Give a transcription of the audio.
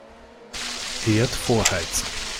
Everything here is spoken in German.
Herd vorheizen.